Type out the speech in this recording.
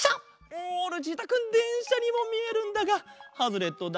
おルチータくんでんしゃにもみえるんだがハズレットだ。